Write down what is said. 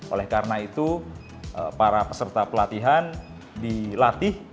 oleh karena itu para peserta pelatihan dilatih